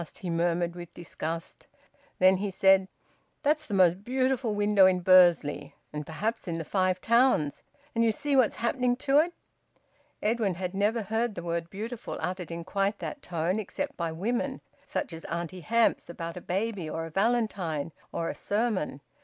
he murmured with disgust. Then he said: "That's the most beautiful window in Bursley, and perhaps in the Five Towns; and you see what's happening to it." Edwin had never heard the word `beautiful' uttered in quite that tone, except by women, such as Auntie Hamps, about a baby or a valentine or a sermon.